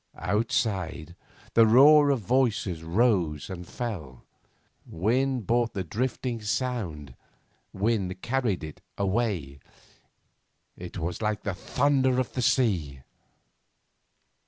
Outside the roar of voices rose and fell. Wind brought the drifting sound, wind carried it away. It was like the thunder of the sea.